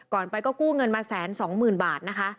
ก่อนไปก็กู้เงินมาแสนสองหมื่นบาทนะคะ